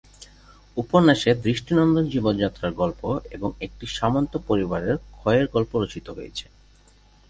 উপন্যাসে দৃষ্টিনন্দন জীবনযাত্রার গল্প এবং একটি সামন্ত পরিবারের ক্ষয়ের গল্প রচিত হয়েছে।